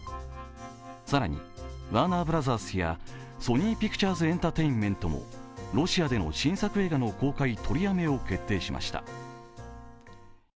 更に、ワーナー・ブラザースやソニー・ピクチャーズエンタテインメントもロシアでの新作映画の公開取りやめを決定しました。